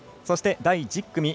そして、第１０組。